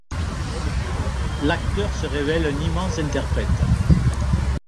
L’acteur se révèle un immense interprète.